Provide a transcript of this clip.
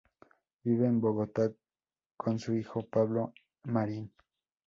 Vive en Bogotá con su hijo Pablo Marín.